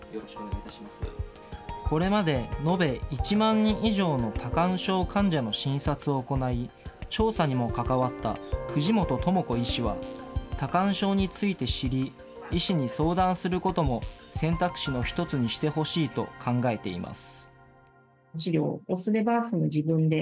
これまで延べ１万人以上の多汗症患者の診察を行い、調査にも関わった藤本智子医師は、多汗症について知り、医師に相談することも選択肢の一つにしてほしいと考えています。